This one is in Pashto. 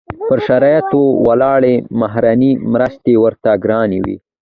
پر شرایطو ولاړې بهرنۍ مرستې ورته ګرانې وې.